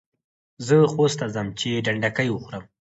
زه خوست ته ځم چي ډنډکۍ وخورم.